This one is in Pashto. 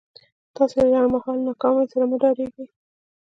تاسې له لنډ مهاله ناکاميو سره مه ډارېږئ.